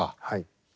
はい。